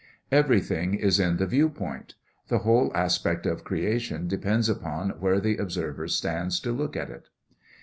Everything is in the view point. The whole aspect of creation depends upon where the observer stands to look at it.